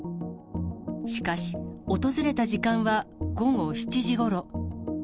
しかし、訪れた時間は午後７時ごろ。